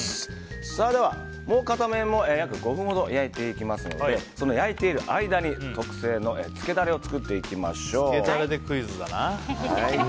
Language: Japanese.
では、もう片面も約５分ほど焼いていきますのでその焼いている間に特製のつけダレを漬けダレでクイズだな。